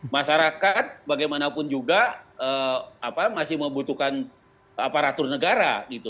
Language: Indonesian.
masyarakat bagaimanapun juga masih membutuhkan aparatur negara